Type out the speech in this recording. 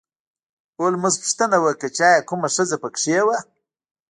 هولمز پوښتنه وکړه چې ایا کومه ښځه په کې وه